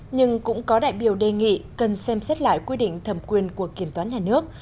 nhưng cũng có đại biểu đề nghị cần xem xét lại quy định thẩm quyền của kiểm toán nhà nước